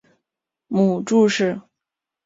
母祝氏。